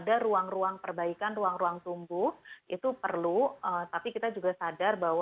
kebanyakan kebanyakan ciri khususnya terjadi di kajian kesehatan tersebut